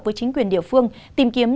với chính quyền địa phương tìm kiếm